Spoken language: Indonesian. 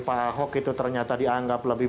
pak ahok itu ternyata dianggap lebih